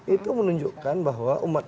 itu menunjukkan bahwa umat